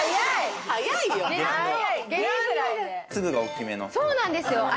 粒が大きめの。